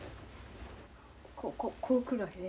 こうくるわけね。